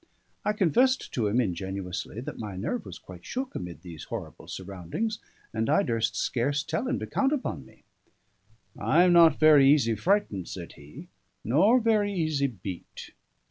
I confessed to him ingenuously that my nerve was quite shook amid these horrible surroundings, and I durst scarce tell him to count upon me. "I am not very easy frightened," said he, "nor very easy beat."